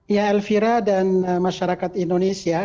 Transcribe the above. ya elvira dan masyarakat indonesia